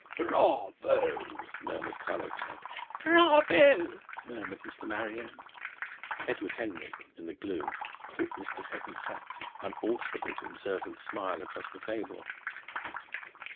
"Bravo!" murmured Carlo Trent. "Bravo!" murmured Mr. Marrier. Edward Henry in the gloom caught Mr. Seven Sachs's unalterable observant smile across the table.